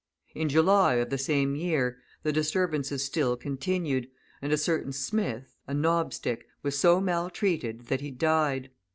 In July, of the same year, the disturbances still continued, and a certain Smith, a knobstick, was so maltreated that he died.